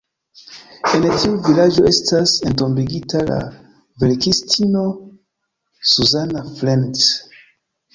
En tiu vilaĝo estas entombigita la verkistino Zsuzsanna Ferencz.